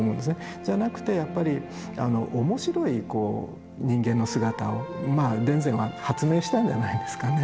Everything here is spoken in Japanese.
じゃなくてやっぱり面白いこう人間の姿を田善は発明したんじゃないんですかね。